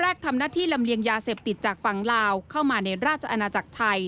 ทำหน้าที่ลำเลียงยาเสพติดจากฝั่งลาวเข้ามาในราชอาณาจักรไทย